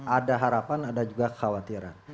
ada harapan ada juga kekhawatiran